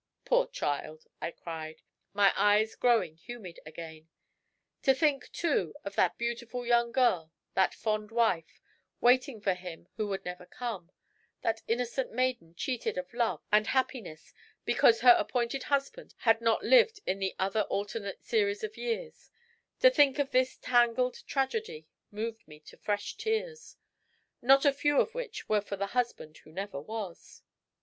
"Poor child!" I cried, my eyes growing humid again. To think, too, of that beautiful young girl, that fond wife, waiting for him who would never come; that innocent maiden cheated of love and happiness because her appointed husband had not lived in the other alternate series of years, to think of this tangled tragedy moved me to fresh tears, not a few of which were for the husband who never was.